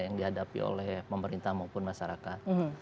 yang dihadapi oleh pemerintah maupun masyarakat